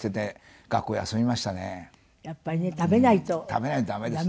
食べないとダメですね。